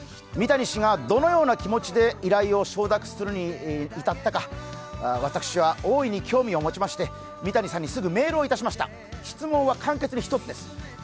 三谷氏がどのような気持ちで依頼を承諾するに至ったか、私は大いに興味を持ちまして三谷さんにすぐメールをいたしました質問は簡潔に一つです。